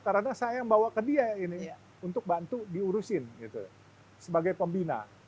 karena saya yang bawa ke dia ini untuk bantu diurusin sebagai pembina